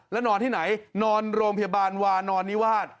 แล้วนอนที่ไหนนอนโรงพยาบาลวานอนนิวาส